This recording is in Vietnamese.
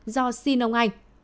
do xin ông anh